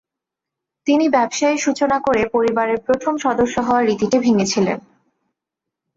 তিনি ব্যবসায়ের সূচনা করে পরিবারের প্রথম সদস্য হওয়ার রীতিটি ভেঙেছিলেন।